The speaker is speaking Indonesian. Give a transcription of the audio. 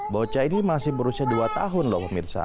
bocah ini masih berusia dua tahun loh pemirsa